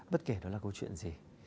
bất kể đó là câu chuyện gì